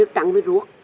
nước trắng với ruột